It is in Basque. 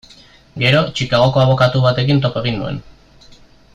Gero, Chicagoko abokatu batekin topo egin nuen.